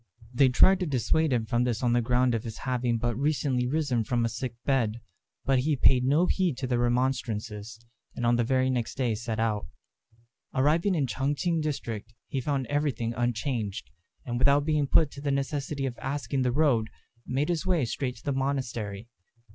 They tried to dissuade him from this on the ground of his having but recently risen from a sick bed; but he paid no heed to their remonstrances, and on the very next day set out. Arriving in the Ch'ang ch'ing district, he found everything unchanged; and without being put to the necessity of asking the road, made his way straight to the monastery.